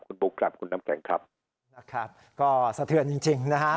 คุณบุ๊คครับคุณน้ำแข็งครับนะครับก็สะเทือนจริงจริงนะฮะ